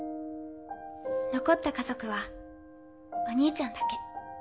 残った家族はお兄ちゃんだけ。